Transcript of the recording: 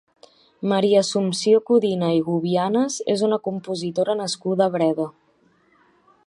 Maria Assumpció Codina i Gubianes és una compositora nascuda a Breda.